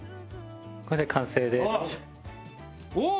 これで完成です。